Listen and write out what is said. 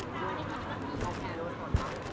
ใช่ใช่ใช่แต่ว่า